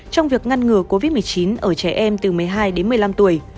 trong việc ngăn ngừa covid một mươi chín ở trẻ em từ một mươi hai đến một mươi năm tuổi